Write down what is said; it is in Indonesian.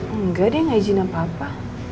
enggak dia gak izin apa apa